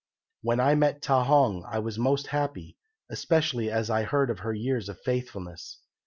"When I met Ta hong I was most happy, especially as I heard of her years of faithfulness.